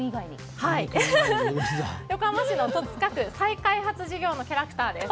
横浜市の戸塚区再開発事業のキャラクターです。